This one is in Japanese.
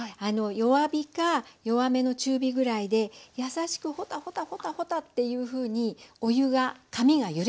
弱火か弱めの中火ぐらいで優しくほたほたほたほたっていうふうにお湯が紙が揺れる感じ。